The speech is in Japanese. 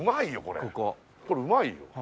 これうまいよ。